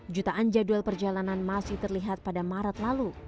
jutaan jadwal perjalanan masih terlihat pada maret lalu